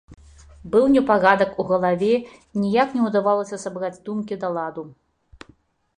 Быў непарадак у галаве, і ніяк не ўдавалася сабраць думкі да ладу.